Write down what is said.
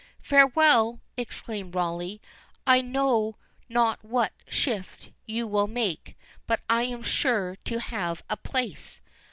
"Farewell!" exclaimed Rawleigh, "I know not what shift you will make, but I am sure to have a place."